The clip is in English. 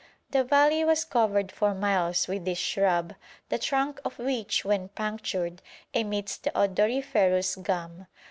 The valley was covered for miles with this shrub, the trunk of which, when punctured, emits the odoriferous gum.